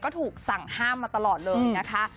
ก็ถูกสั่งห้ามมาตลอดเลยนะคะ